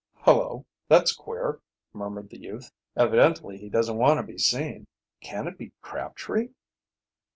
"Hullo, that's queer," murmured the youth. "Evidently he doesn't want to be seen. Can it be Crabtree?"